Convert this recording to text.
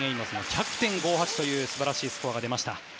１００．５８という素晴らしいスコアが出ました。